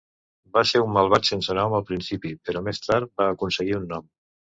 Va ser un malvat sense nom al principi, però més tard va aconseguir un nom.